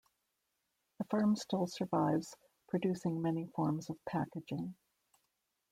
The firm still survives, producing many forms of packaging.